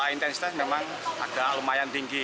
intensitas memang agak lumayan tinggi